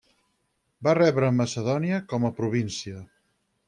Va rebre Macedònia com a província.